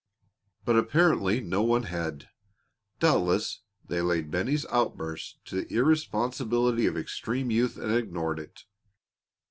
But apparently no one had. Doubtless they laid Bennie's outburst to the irresponsibility of extreme youth and ignored it.